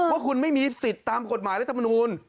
ว่าคุณไม่มีสิทธิ์ตามกฎหมายรัฐมนูล